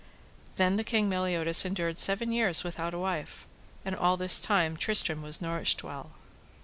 Then the King Meliodas endured seven years without a wife, and all this time Tristram was nourished well.